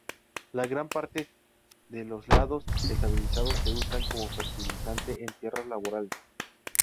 La gran parte de los lodos estabilizados se usan como fertilizante en tierras laborales.